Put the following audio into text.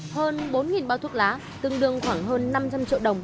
hơn bốn bao thuốc lá tương đương khoảng hơn năm trăm linh triệu đồng